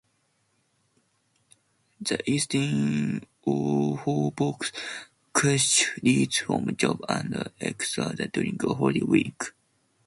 The Eastern Orthodox Church reads from Job and Exodus during Holy Week.